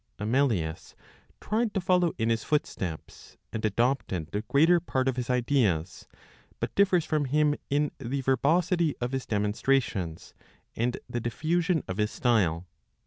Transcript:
Amelius tried to follow in his footsteps, and adopted the greater part of his ideas; but differs from him in the verbosity of his demonstrations, and the diffusion of his style.